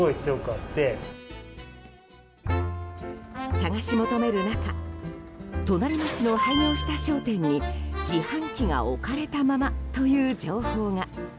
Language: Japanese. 探し求める中隣町の廃業した商店に自販機が置かれたままという情報が。